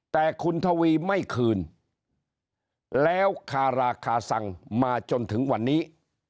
แต่คุณทวีไม่คืนแล้วคาราคาซังมาจนถึงวันนี้